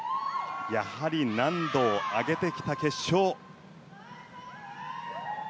やはり難度を上げてきた決勝。